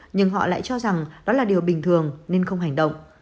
nhưng họ lại cho rằng đó là điều bình thường nên không hành động